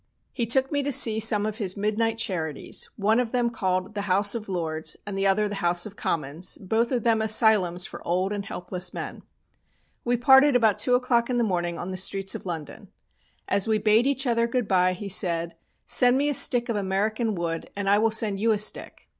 He took me to see some of his midnight charities one of them called the "House of Lords" and the other the "House of Commons," both of them asylums for old and helpless men. We parted about two o'clock in the morning in the streets of London. As we bade each other good bye he said, "Send me a stick of American wood and I will send you a stick."